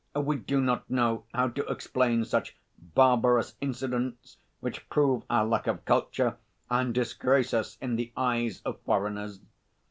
We do not know how to explain such barbarous incidents which prove our lack of culture and disgrace us in the eyes of foreigners.